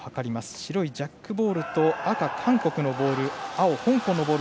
白いジャックボールと赤、韓国のボール